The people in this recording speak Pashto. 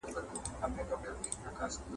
ځکه مي لمر ته وویل ..